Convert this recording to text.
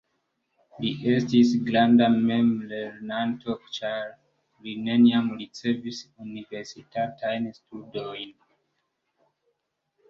Li estis granda memlernanto ĉar li neniam ricevis universitatajn studojn.